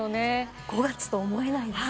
５月とは思えないですね。